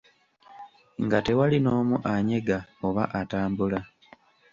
Nga tewali n'omu anyega oba atambula.